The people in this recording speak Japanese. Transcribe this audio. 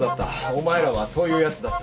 お前らはそういうやつだった。